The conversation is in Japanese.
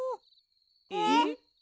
えっ？